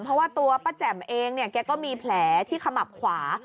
เพราะว่าตัวป้าแจ่มเองเนี่ยแกก็มีแผลที่ขมับขวา